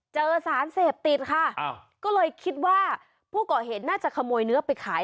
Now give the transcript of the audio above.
เจอสารเสพติดค่ะก็เลยคิดว่าผู้ก่อเหตุน่าจะขโมยเนื้อไปขาย